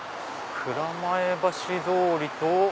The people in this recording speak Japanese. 蔵前橋通りと。